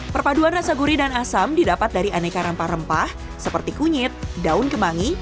perpaduan rasa gurih dan asam didapat dari aneka rempah rempah seperti kunyit daun kemangi